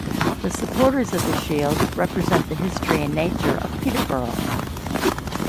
The supporters of the shield represent the history and nature of Peterborough.